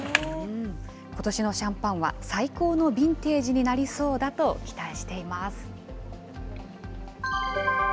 ことしのシャンパンは最高のビンテージになりそうだと期待しています。